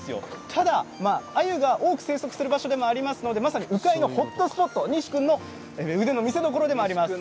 ただ、アユが多く生息する場所でもあるのでまさに鵜飼のホットスポット西君の腕の見せどころであります。